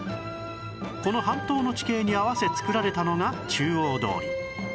この半島の地形に合わせつくられたのが中央通り